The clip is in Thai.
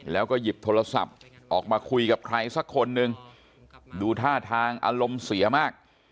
แล้วก็หยิบโทรศัพท์ออกมาคุยกับใครสักคนนึงดูท่าทางอารมณ์เสียมาก